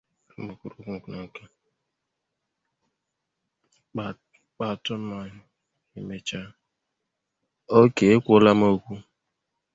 anyike na mma agha karịrị iri abụọ